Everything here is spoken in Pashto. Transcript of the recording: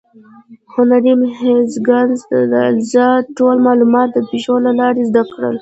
هنري هیګینز د الیزا ټول معلومات د پیښو له لارې زده کړل.